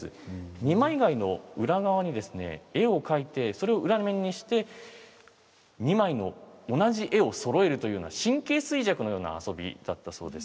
二枚貝の裏側に絵を描いてそれを裏面にして２枚の同じ絵をそろえるという神経衰弱のような遊びだったそうです。